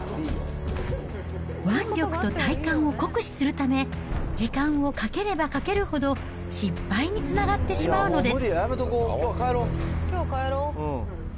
腕力と体幹を酷使するため、時間をかければかけるほど、失敗につながってしまうのです。